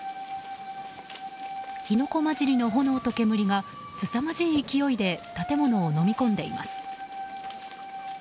火の粉交じりの炎と煙がすさまじい勢いで建物をのみ込んでいます。